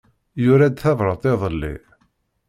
Yura-d tabṛat iḍelli.